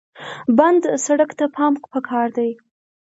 بند سړک ته پام پکار دی.